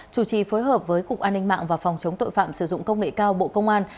chủ trì phối hợp với cục an ninh mạng và phòng chống tội phạm sử dụng công nghệ cao bộ công an